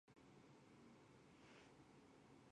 他具有母父各自的斯洛伐克人和日耳曼人血统。